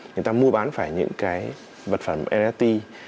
người ta mua bán phải những cái vật phẩm red